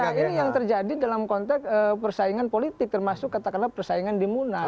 nah ini yang terjadi dalam konteks persaingan politik termasuk katakanlah persaingan di munas